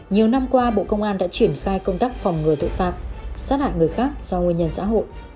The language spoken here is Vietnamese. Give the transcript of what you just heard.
nhiều năm qua bộ công an đã triển khai công tác phòng ngừa tội phạm sát hại người khác do nguyên nhân xã hội